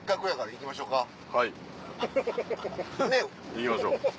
行きましょう。